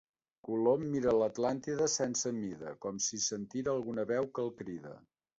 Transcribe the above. Colom mira l'Atlàntida sense mida, com si sentira alguna veu que el crida.